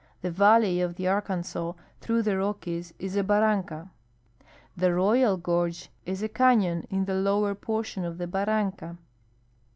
The valley of the Arkansas through the Rockies is a barranca ; the Royal gorge is a canon in the lower portion of the barranca.